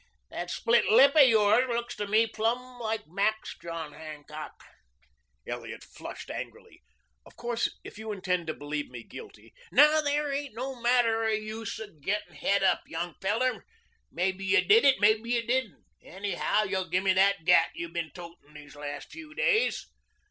That split lip of yours looks to me plumb like Mac's John Hancock." Elliot flushed angrily. "Of course if you intend to believe me guilty " "Now, there ain't no manner o' use in gettin' het up, young fellow. Mebbe you did it; mebbe you didn't. Anyhow, you'll gimme that gat you been toting these last few days."